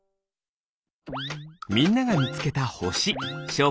みんながみつけたほし。